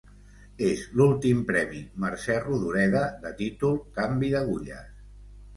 És l'últim premi Mercè Rodoreda, de títol “Canvi d'agulles”.